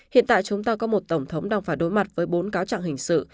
hiện tại chúng ta có một tổng thống đang phải đối mặt với bốn cáo trạng hình sự